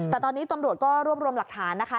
แต่ตอนนี้ตำรวจก็รวบรวมหลักฐานนะคะ